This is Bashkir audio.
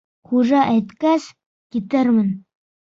Хужа әйткәс, китермен.